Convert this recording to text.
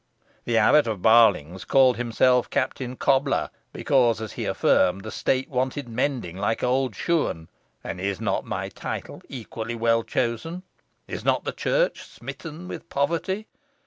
The Abbot of Barlings called himself Captain Cobbler, because, as he affirmed, the state wanted mending like old shoon. And is not my title equally well chosen? Is not the Church smitten with poverty?